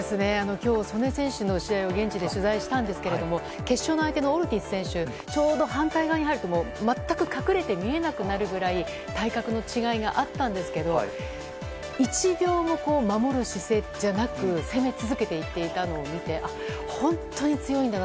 今日、素根選手の試合を現地で取材したんですけれども決勝の相手のオルティス選手ちょうど反対側に入ると全く隠れて見えなくなるぐらい体格の違いがあったんですけど１秒も守る姿勢じゃなく攻め続けていたのを見て本当に強いんだな